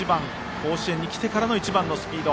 甲子園に来てからの一番のスピード。